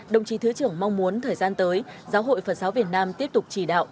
đồng chí thứ trưởng mong muốn thời gian tới giáo hội phật giáo việt nam tiếp tục chỉ đạo